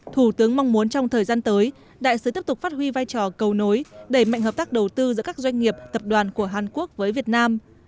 thủ tướng mong muốn trong thời gian tới đại sứ tiếp tục phát huy vai trò cầu nối đẩy mạnh hợp tác đầu tư giữa các doanh nghiệp tập đoàn của hàn quốc với việt nam